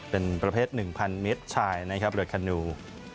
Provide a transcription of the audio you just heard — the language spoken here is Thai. เป็นประเภท๑๐๐เมตรชายนะครับโดยคานู